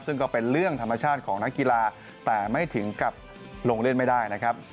ซึ่งก็เป็นเรื่องธรรมชาติของนักกีฬาแต่ไม่ถึงกับลงเล่นไม่ได้นะครับ